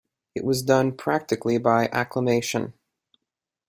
It was done practically by acclamation.